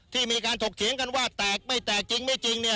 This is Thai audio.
ที่มีการถกเถียงกันว่าแตกไม่แตกจริงไม่จริงเนี่ย